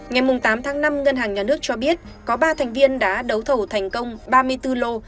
ngày tám tháng năm ngân hàng nhà nước cho biết có ba thành viên đã đấu thầu thành công ba mươi bốn lô